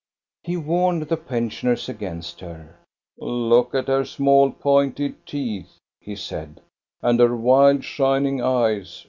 He warned the pensioners against her. " Look at her small, pointed teeth,'* he said, "and her wild, shining eyes.